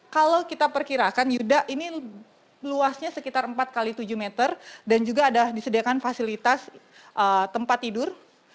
kalau kita perkirakan yuda ini luasnya sekitar empat x tujuh meter dan juga ada disediakan fasilitas tempat tidur